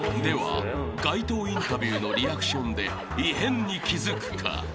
［では街頭インタビューのリアクションで異変に気付くか？］